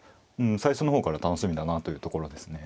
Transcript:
最初の方から楽しみだなというところですね。